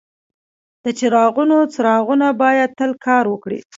د چراغونو څراغونه باید تل کار وکړي.